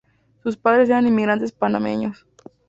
Sus padres eran inmigrantes panameños.